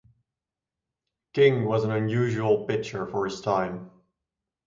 King was an unusual pitcher for his time.